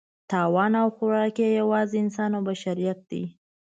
تاوان او خوراک یې یوازې انسان او بشریت دی.